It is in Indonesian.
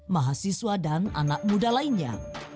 mahasiswa dan anak muda lainnya